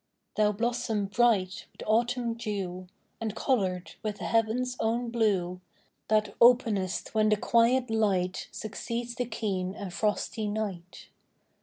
Thou blossom bright with autumn dew, And coloured with the heaven's own blue, That openest when the quiet light Succeeds the keen and frosty night.